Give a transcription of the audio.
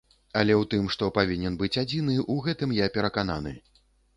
Але ў тым, што павінен быць адзіны, у гэтым я перакананы.